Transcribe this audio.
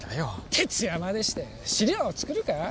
徹夜までして資料を作るか？